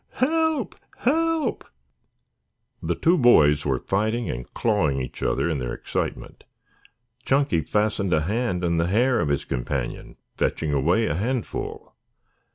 Help, help!" The two boys were fighting and clawing each other in their excitement. Chunky fastened a hand in the hair of his companion fetching away a handful.